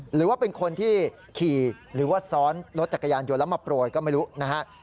หรือว่าเป็นคนที่ขี่หรือว่าซ้อนรถจักรยานยนต์แล้วมาโปรยก็ไม่รู้นะฮะ